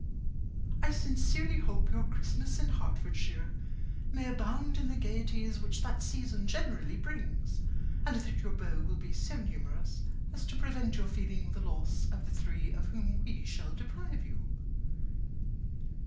I sincerely hope your Christmas in Hertfordshire may abound in the gaieties which that season generally brings, and that your beaux will be so numerous as to prevent your feeling the loss of the three of whom we shall deprive you.